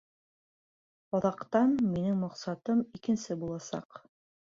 Аҙаҡтан минең маҡсатым икенсе буласаҡ.